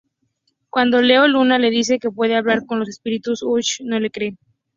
Cuando Leo Luna le dice que puede hablar con espíritus, Ushio no le cree.